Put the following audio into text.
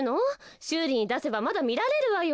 しゅうりにだせばまだみられるわよ。